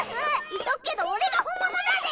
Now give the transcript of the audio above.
言っとくけど俺が本物だぜ。